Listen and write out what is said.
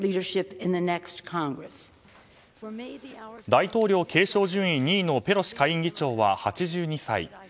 大統領継承順位２位のペロシ下院議長は８２歳。